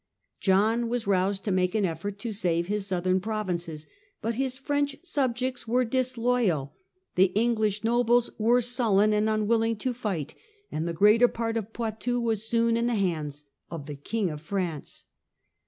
John was roused to make an ^"j^^Jy^ effort to save his southern provinces, but his French 1204 subjects were disloyal, the English nobles were sullen and unwilling to fight, and the greater part of Poitou was soon in the hands of the King of France.